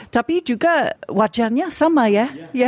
tapi juga wajahnya sama ya